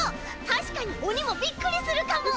たしかにおにもびっくりするかも。